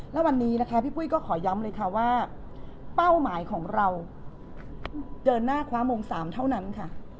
และวันนี้นะคะพี่ปุ้ยก็ขอย้ำเลยค่ะว่าเป้าหมายของเราเดินหน้าคว้ามง๓เท่านั้นค่ะ